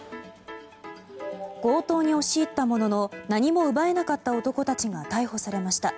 強盗に押し入ったものの何も奪えなかった男たちが逮捕されました。